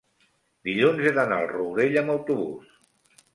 dilluns he d'anar al Rourell amb autobús.